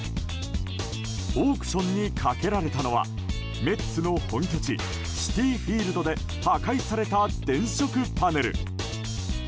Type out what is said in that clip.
オークションにかけられたのはメッツの本拠地シティ・フィールドで破壊された電飾パネル。